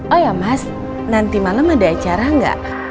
oh ya mas nanti malem ada acara gak